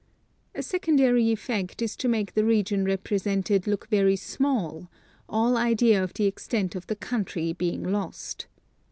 A secondary effect is to make the region rep resented look very small — all idea of the extent of the country being lost.